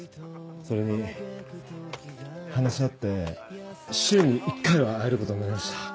それに話し合って週に１回は会えることになりました。